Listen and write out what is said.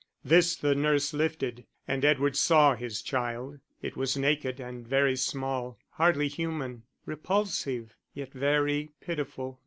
This the nurse lifted, and Edward saw his child; it was naked and very small, hardly human, repulsive, yet very pitiful.